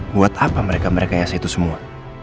buat apa mereka merekayasa itu semua